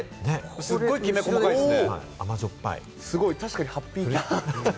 すごいきめ細かいですね。